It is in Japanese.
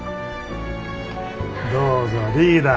どうぞリーダー。